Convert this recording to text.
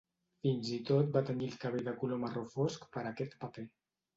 Fins i tot va tenyir el cabell de color marró fosc per aquest paper.